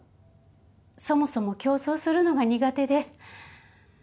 そもそも競争するのが苦手で。